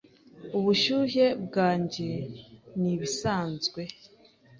Ubushyuhe bwanjye nibisanzwe.